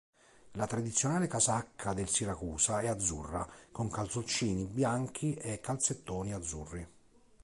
La tradizionale casacca del Siracusa è azzurra con calzoncini bianchi e calzettoni azzurri.